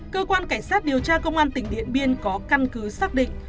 cơ quan cảnh sát điều tra công an tỉnh điện biên có căn cứ xác định